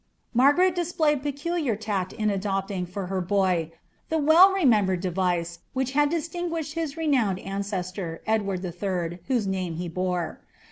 Margaret displayed peculiar tact in adopting^ for her boy, the well remenihered device which had distinguished hia renowned ancestor, Edwanl III., whose name he bore.